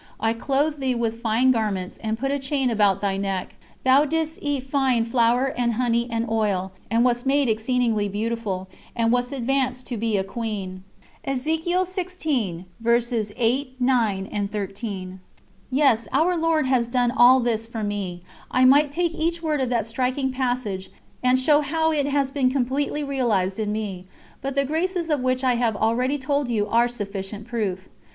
I clothed thee with fine garments, and put a chain about thy neck. Thou didst eat fine flour and honey and oil, and wast made exceedingly beautiful, and wast advanced to be a queen." Yes, Our Lord has done all this for me. I might take each word of that striking passage and show how it has been completely realised in me, but the graces of which I have already told you are sufficient proof.